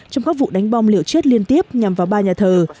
trong các vụ đánh bom liều chết liên tiếp nhằm vào ba nhà thờ